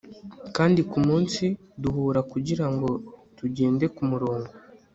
kandi kumunsi duhura kugirango tugende kumurongo